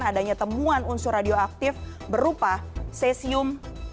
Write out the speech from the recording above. adanya temuan unsur radioaktif berupa sesium satu ratus tiga puluh tujuh